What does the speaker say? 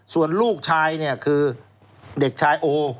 ส่วนลูกชายเนี่ยคือเด็กชายโอ